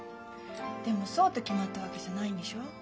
でもそうと決まったわけじゃないんでしょう？